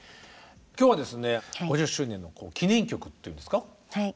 今日はですね５０周年の記念曲というんですか